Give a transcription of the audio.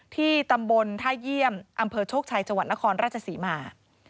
ที่ตำบลท่าเยี่ยมอำเภอโชคชัยจังหวัดนครราชศรีมา